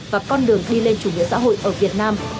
và con đường đi lên chủ nghĩa xã hội ở việt nam